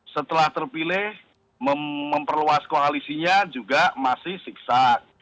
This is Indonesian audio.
setelah terpilih memperluas koalisinya juga masih siksa